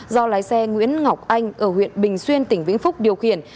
do lái xe nguyễn ngọc anh ở huyện bình xuyên tỉnh vĩnh phúc điều khiển